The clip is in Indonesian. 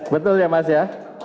betul ya mas ya